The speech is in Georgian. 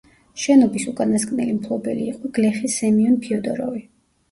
შენობის უკანასკნელი მფლობელი იყო გლეხი სემიონ ფიოდოროვი.